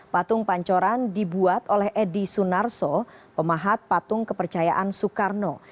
patung pancoran dibuat oleh edi sunarso pemahat patung kepercayaan soekarno